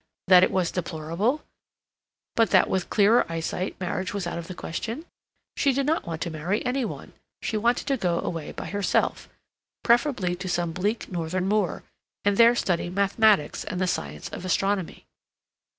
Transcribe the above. that it was deplorable, but that with clearer eyesight marriage was out of the question? She did not want to marry any one. She wanted to go away by herself, preferably to some bleak northern moor, and there study mathematics and the science of astronomy.